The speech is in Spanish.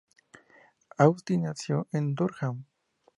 Astin nació en Durham.